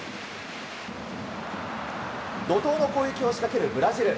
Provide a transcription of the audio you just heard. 怒涛の攻撃を仕掛けるブラジル。